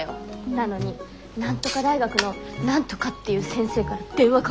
なのに何とか大学の何とかっていう先生から電話かかってきて。